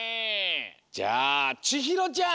じゃあちひろちゃん。